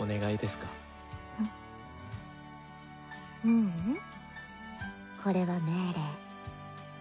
ううんこれは命令。